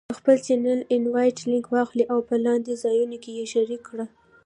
د خپل چینل Invite Link واخله او په لاندې ځایونو کې یې شریک کړه: